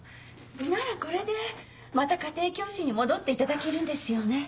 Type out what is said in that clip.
ならこれでまた家庭教師に戻っていただけるんですよね？